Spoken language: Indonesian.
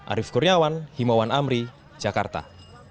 arief kurniawan himawan amri jakarta